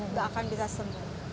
nggak akan bisa sembuh